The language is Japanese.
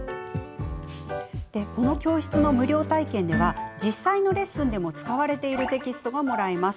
この教室の無料体験では実際のレッスンでも使われているテキストがもらえます。